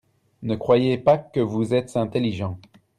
Ne croyez pas que vous êtes intelligent.